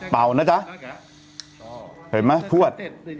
เปล่านะคะเห็นมั้ยพวด